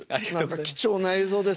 貴重な映像です。